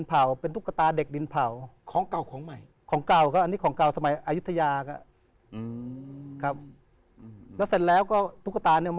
เอาตุ๊กตามาไว้ในบ้าน